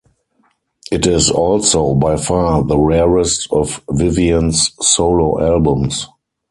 It is also by far the rarest of Vivian's solo albums.